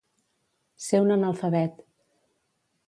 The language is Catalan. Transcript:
Ser un analfabet.